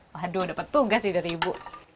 waduh dapet tugas sih dari ibu